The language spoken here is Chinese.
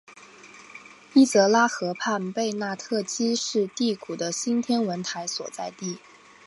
伊泽拉河畔贝纳特基是第谷的新天文台所在地。